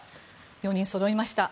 ４人そろいました。